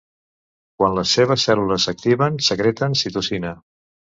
Quan les seves cèl·lules s'activen secreten citocina.